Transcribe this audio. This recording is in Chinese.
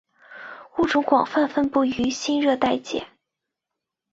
物种广泛分布于新热带界。